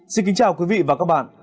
xin kính chào quý vị và các bạn